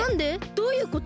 どういうこと？